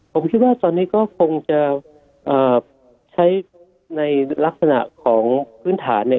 ผมคิดว่าตอนนี้ก็คงจะใช้ในลักษณะของพื้นฐานเนี่ย